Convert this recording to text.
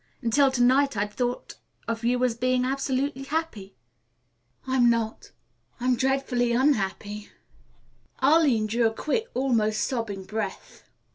Until to night I had thought of you as being absolutely happy." "I'm not. I'm dreadfully unhappy." Arline drew a quick, almost sobbing breath.